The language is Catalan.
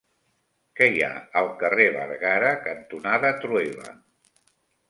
Què hi ha al carrer Bergara cantonada Trueba?